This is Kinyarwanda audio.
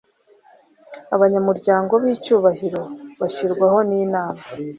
Abanyamuryango b icyubahiro bashyirwaho n inama